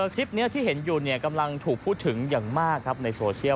คลิปนี้ที่เห็นอยู่กำลังถูกพูดถึงอย่างมากครับในโซเชียล